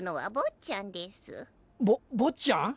ぼ坊っちゃん？